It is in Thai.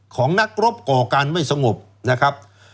ของนักรบก่อการไม่สงบนะครับ